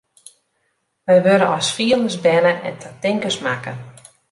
Wy wurde as fielers berne en ta tinkers makke.